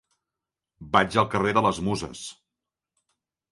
Vaig al carrer de les Muses.